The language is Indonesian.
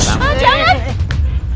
jangan jangan jangan eh eh eh eh eh eh eh